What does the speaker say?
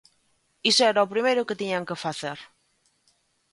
Iso era o primeiro que tiñan que facer.